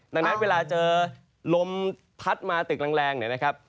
ดังนั้นเวลาเจอลมพัดมาตึกแรงเนี่ยนะครับ